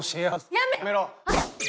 やめろ！